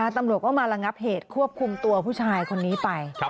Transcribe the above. ตำรวจก็มาระงับเหตุควบคุมตัวผู้ชายคนนี้ไป